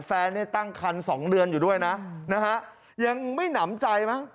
แฟนเนี่ยตั้งคันสองเดือนอยู่ด้วยนะนะฮะยังไม่หนำใจมั้ง